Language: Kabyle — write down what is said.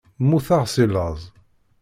Mmuteɣ si laẓ.